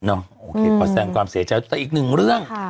โอเคขอแสงความเสียใจแต่อีกหนึ่งเรื่อง